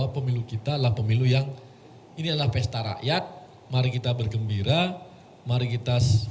pemilu umum yang sudah dipercayai pasangan nomor urut satu